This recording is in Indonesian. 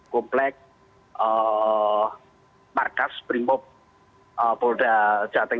komplek markas brimob polda jateng